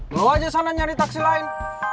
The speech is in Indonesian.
lo aja sana nyari taksi lain